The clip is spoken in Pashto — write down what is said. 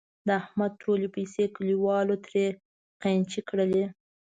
د احمد ټولې پیسې کلیوالو ترې قېنچي کړلې.